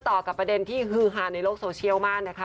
ต่อกับประเด็นที่ฮือฮาในโลกโซเชียลมากนะคะ